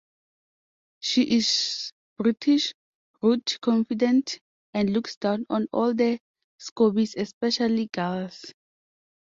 She is British, rude, confident, and looks down on all the Scoobies, especially Giles.